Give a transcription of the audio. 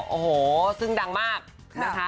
โอ้โหซึ่งดังมากนะคะ